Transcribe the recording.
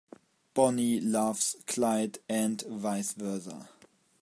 Bonnie loves Clyde and vice versa.